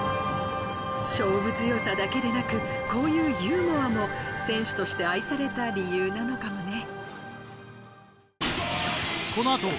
勝負強さだけでなくこういうユーモアも選手として愛された理由なのかもね。